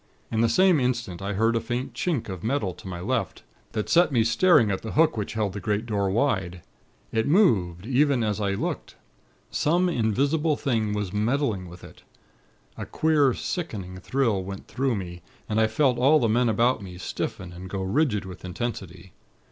In the same instant, I heard a faint chink of metal to my left, that set me staring at the hook which held the great door wide. It moved, even as I looked. Some invisible thing was meddling with it. A queer, sickening thrill went through me, and I felt all the men about me, stiffen and go rigid with intensity.